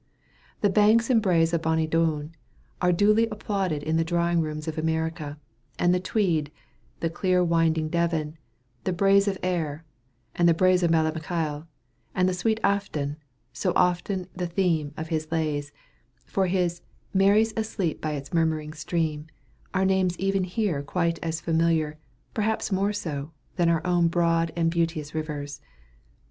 "The banks and braes o' bonny Doon," are duly applauded in the drawing rooms of America; and the Tweed, the "clear winding Devon," the "braes of Ayr," the "braes o' Ballochmyle," and the "sweet Afton," so often the theme of his lays, for his "Mary's asleep by its murmuring stream," are names even here quite as familiar, perhaps more so, than our own broad and beauteous rivers.